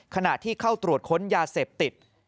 ขณะที่เข้าตรวจค้นยาเสพติด